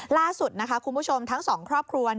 ล่าสุดนะคะคุณผู้ชมทั้งสองครอบครัว